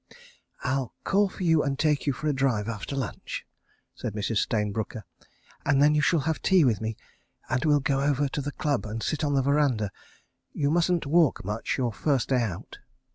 ... "I'll call for you and take you for a drive after lunch," said Mrs. Stayne Brooker, "and then you shall have tea with me, and we'll go over to the Club and sit on the verandah. You mustn't walk much, your first day out."